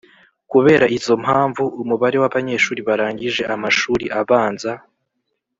Kubera izo mpamvu umubare w abanyeshuri barangije amashuri abanza